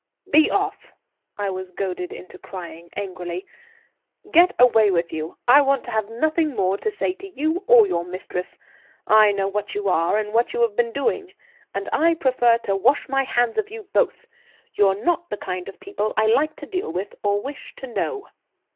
"Be off!" I was goaded into crying, angrily. "Get away with you; I want to have nothing more to say to you or your mistress. I know what you are and what you have been doing, and I prefer to wash my hands of you both. You're not the kind of people I like to deal with or wish to know."